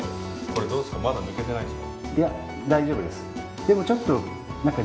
これどうですかまだ抜けてないですか。